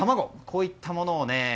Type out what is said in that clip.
こういったもの